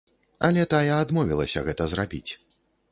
Але тая адмовілася гэта зрабіць.